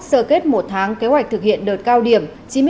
sơ kết một tháng kế hoạch thực hiện đợt cao điểm